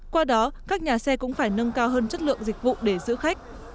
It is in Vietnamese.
qua đó các nhà xe cũng phải nâng cao hơn chất lượng dịch vụ để giữ khách